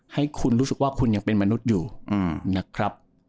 ให้คุณรู้สึกว่าคุณยังเป็นมนุษย์อยู่นะครับ